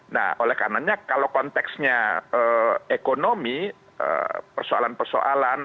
nah oleh karenanya kalau konteksnya ekonomi persoalan persoalan